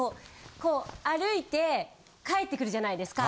こう歩いて帰ってくるじゃないですか。